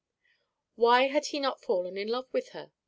Why had he not fallen in love with her?